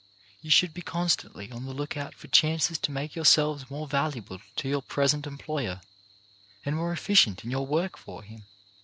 You should be con stantly on the lookout for chances to make your selves more valuable to your present employer, and more efficient in your work for him.